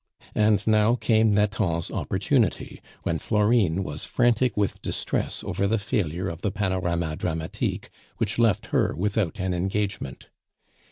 And now came Nathan's opportunity, when Florine was frantic with distress over the failure of the Panorama Dramatique, which left her without an engagement.